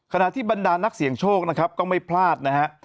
ขณะที่บรรดานักเสี่ยงโชคนะครับก็ไม่พลาดนะฮะ